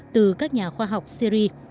từ các nhà khoa học syri